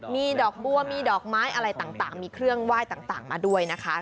มีดอกบัวมีดอกไม้อะไรต่างมีเครื่องไหว้ต่างมาด้วยนะคะ